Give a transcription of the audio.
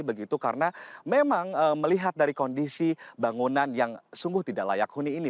begitu karena memang melihat dari kondisi bangunan yang sungguh tidak layak huni ini